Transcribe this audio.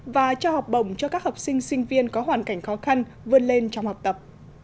và trao học bổng cho các học sinh sinh viên có hoàn cảnh khó khăn vươn lên trong học tập